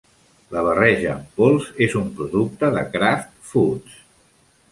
La barreja en pols és un producte de Kraft Foods.